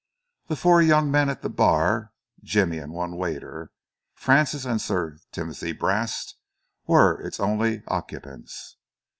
The four young men at the bar, Jimmy and one waiter, Francis and Sir Timothy Brast, were its only occupants.